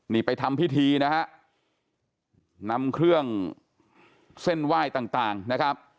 นี่ไปทำพิธีนะฮะนำเครื่องเส้นไหว้ต่างต่างนะครับ